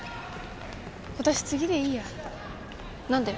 私次でいいや何で？